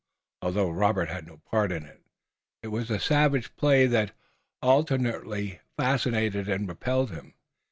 Although Robert had no part in it, it was a savage play that alternately fascinated and repelled him.